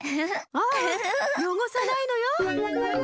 あよごさないのよ。